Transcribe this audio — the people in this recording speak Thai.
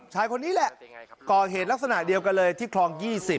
ชายคนนี้แหละก่อเหตุลักษณะเดียวกันเลยที่คลอง๒๐